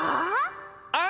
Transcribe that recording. ああ？